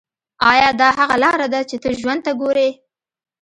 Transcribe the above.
ایا دا هغه لاره ده چې ته ژوند ته ګورې